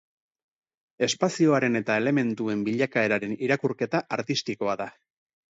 Espazioaren eta elementuen bilakaeraren irakurketa artistikoa da.